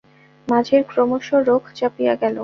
মাঝির ক্রমশ রোখ চাপিয়া গেল।